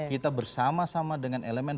kita bersama sama dengan elemen